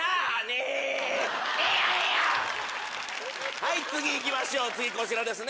はい次行きましょう次こちらですね。